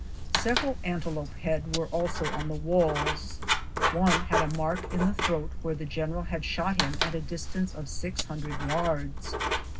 Several antelope heads were also on the walls. One had a mark in the throat where the general had shot him at a distance of six hundred yards.